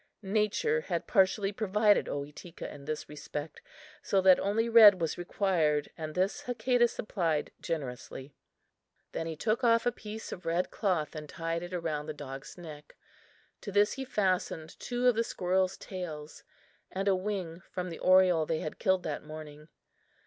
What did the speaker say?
Nature had partially provided Ohitika in this respect, so that only red was required and this Hakadah supplied generously. Then he took off a piece of red cloth and tied it around the dog's neck; to this he fastened two of the squirrels' tails and a wing from the oriole they had killed that morning.